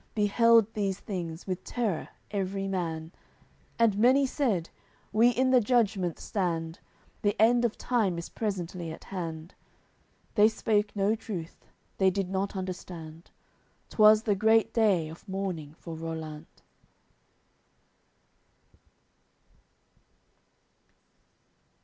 Beheld these things with terror every man, And many said: "We in the Judgement stand; The end of time is presently at hand." They spake no truth; they did not understand; 'Twas the great day of mourning for Rollant.